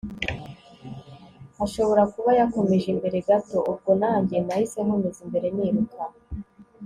ashobora kuba yakomeje imbere gato! ubwo nanjye nahise nkomeza imbere niruka